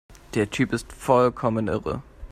Der Typ ist vollkommen irre!